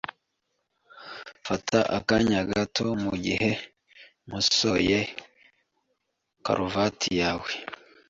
Fata akanya gato mugihe nkosoye karuvati yawe .